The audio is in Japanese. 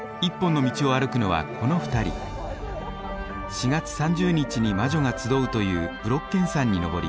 ４月３０日に魔女が集うというブロッケン山に登り